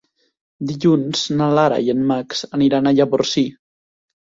Dilluns na Lara i en Max aniran a Llavorsí.